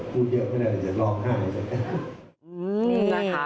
พูดเยอะไม่ได้เดี๋ยวลองห้ามไปเสร็จ